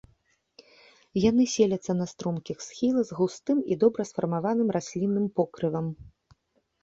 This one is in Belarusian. Яны селяцца на стромкіх схілах з густым і добра сфармаваным раслінным покрывам.